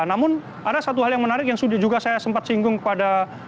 namun ada satu hal yang menarik yang sudah juga saya sempat singgung kepada